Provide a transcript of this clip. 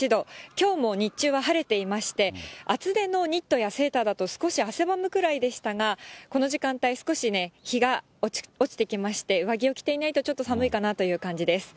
きょうも日中は晴れていまして、厚手のニットやセーターだと少し汗ばむくらいでしたが、この時間帯、少しね、日が落ちてきまして、上着を着ていないと寒いかなという感じです。